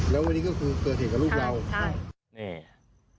แล้ววันนี้ก็เกิดเหตุกับลูกเรา